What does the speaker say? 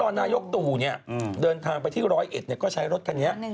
ซึ่งตอนนายกตูเนี่ยเดินทางไปที่ร้อยเอ็ดเนี่ยก็ใช้รถคันนี้